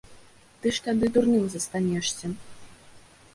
Ты ж тады дурным застанешся.